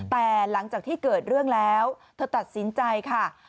แต่หลังจากที่เกิดเรื่องแล้วเธอตัดสินใจค่ะ